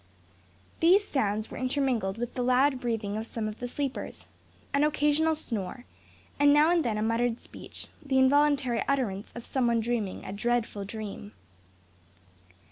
These sounds were intermingled with the loud breathing of some of the sleepers, an occasional snore, and now and then a muttered speech the involuntary utterance of someone dreaming a dreadful dream.